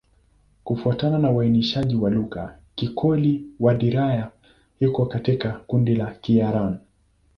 Kufuatana na uainishaji wa lugha, Kikoli-Wadiyara iko katika kundi la Kiaryan.